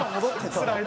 つらい。